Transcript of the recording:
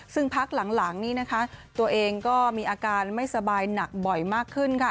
ซึ่งพักหลังนี้นะคะตัวเองก็มีอาการไม่สบายหนักบ่อยมากขึ้นค่ะ